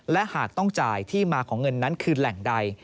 และหากต้องจ่ายที่มาของเงินนั้นคือแหล่งใด